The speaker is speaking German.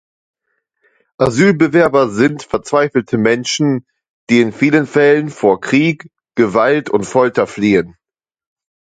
Asylbewerber sind verzweifelte Menschen, die in vielen Fällen vor Krieg, Gewalt und Folter fliehen.